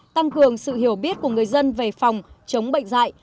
tăng cường sự hiểu biết của người dân về phòng chống bệnh dạy